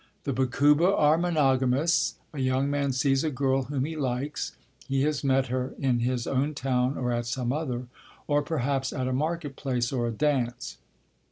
The Bakuba are monogamists. A young man sees a girl whom he likes; he has met her in his own town or at some other, or perhaps at a market place or a dance.